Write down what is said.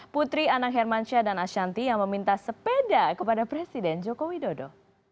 putri anang hermansyah dan ashanti yang meminta sepeda kepada presiden joko widodo